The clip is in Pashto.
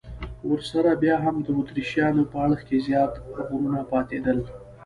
ورسره بیا هم د اتریشیانو په اړخ کې زیات غرونه پاتېدل.